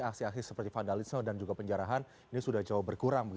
aksi aksi seperti vandalisme dan juga penjarahan ini sudah jauh berkurang